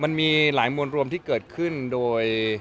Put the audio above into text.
มันมีหลายมวลรวมที่เกิดขึ้นโดย